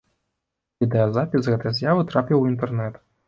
Відэазапіс гэтай з'явы трапіў у інтэрнэт.